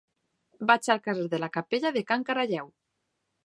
Vaig al carrer de la Capella de Can Caralleu.